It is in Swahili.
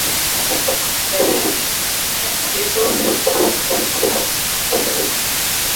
Nadharia hii hutumia kigezo ha msamiati wa Kiswahili